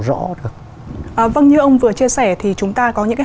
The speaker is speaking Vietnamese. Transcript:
rõ được vâng như ông vừa chia sẻ thì chúng ta có những cái